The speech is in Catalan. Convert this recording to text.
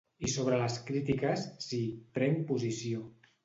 I sobre les crítiques, sí, prenc posició.